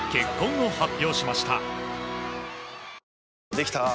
できたぁ。